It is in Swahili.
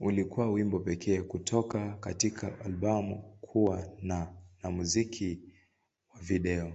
Ulikuwa wimbo pekee kutoka katika albamu kuwa na na muziki wa video.